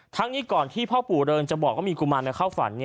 ทั้งนี้ก่อนที่พ่อปู่เริงจะบอกว่ามีกุมารเข้าฝัน